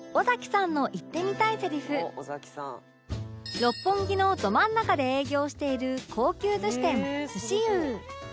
六本木のど真ん中で営業している高級寿司店鮨由う